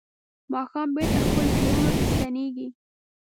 ماښام بېرته خپلو کورونو ته ستنېږي.